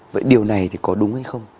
vậy điều này thì có đúng hay không